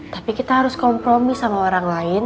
tapi kita harus kompromi sama orang lain